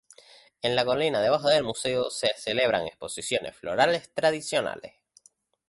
En la colina debajo del museo, se celebran exposiciones florales tradicionales.